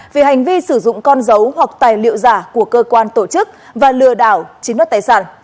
vì hành vi sử dụng con dấu hoặc tài liệu giả của cơ quan tổ chức và lừa đảo chiếm đất tài sản